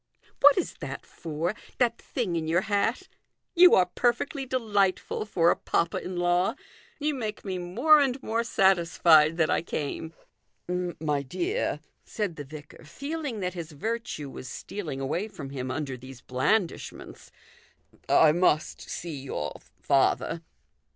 " What is that for ? that thing in your hat ? You are perfectly delightful for a papa in law. You make me more and more satisfied that I came." " My dear," said the vicar, feeling that his virtue was stealing away from him under these blandishments, " I must see your father."